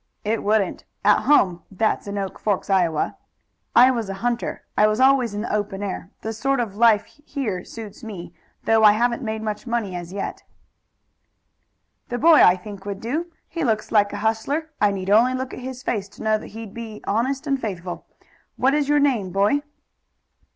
"It wouldn't. At home that's in Oak Forks, Iowa I was a hunter. I was always in the open air. The sort of life we live here suits me, though I haven't made much money as yet." "The boy, I think, would do. He looks like a hustler. I need only look at his face to know that he'd be honest and faithful. What is your name, boy?"